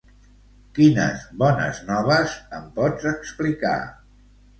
Quines bones noves em pots explicar?